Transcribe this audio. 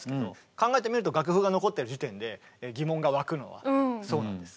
考えてみると楽譜が残ってる時点で疑問が湧くのはそうなんです。